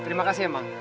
terima kasih ya bang